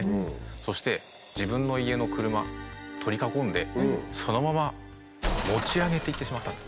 そして自分の家の車取り囲んでそのまま持ち上げていってしまったんです。